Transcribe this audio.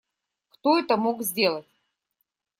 Кто это мог сделать?